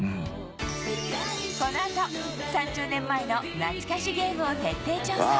このあと３０年前の懐かしゲームを徹底調査！